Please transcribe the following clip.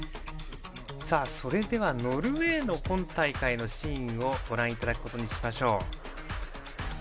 それではノルウェーの今大会のシーンをご覧いただくことにしましょう。